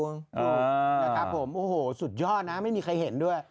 ถูกนะครับผมโอ้โหสุดยอดนะไม่มีใครเห็นด้วย